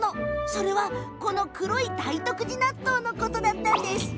それはこの黒い大徳寺納豆のことだったんです。